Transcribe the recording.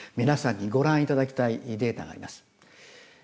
皆さんにご覧いただきたいデータがあります。